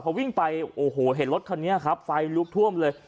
พอวิ่งไปโอ้โหเห็นรถคันนี้ครับไฟลุกท่วมเลย